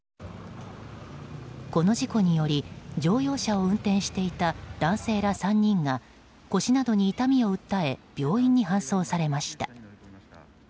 この事故により乗用車を運転していた男性ら３人が腰などに痛みを訴え病院に搬送されました。